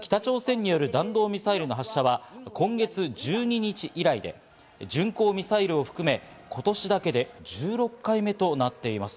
北朝鮮による弾道ミサイルの発射は今月１２日以来で、巡航ミサイルを含め、今年だけで１６回目となっています。